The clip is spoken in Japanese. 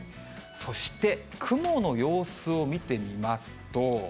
そして、雲の様子を見てみますと。